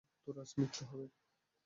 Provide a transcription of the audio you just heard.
তোর আজ মৃত্যু হবে।